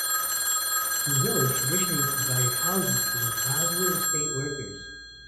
The village traditionally provided houses for the Bowood estate workers.